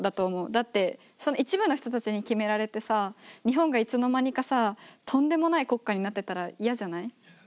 だってその一部の人たちに決められてさ日本がいつの間にかさとんでもない国家になってたら嫌じゃない？